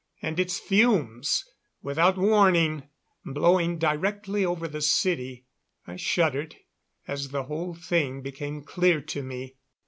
And its fumes, without warning, blowing directly over the city I shuddered as the whole thing became clear to me.